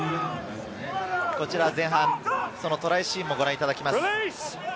こちら前半、トライシーンをご覧いただきます。